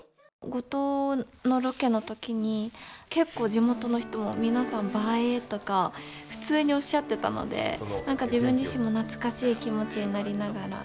五島のロケの時に結構地元の人も皆さんばえーとか普通におっしゃってたので何か自分自身も懐かしい気持ちになりながら。